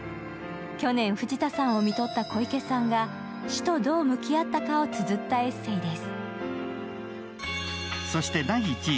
去年、藤田さんを看取った小池さんが死とどう向き合ったかをつづったエッセイです。